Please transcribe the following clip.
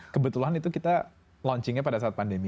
kebetulan itu kita launchingnya pada saat pandemi